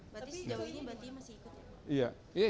berarti sejauh ini berarti masih ikut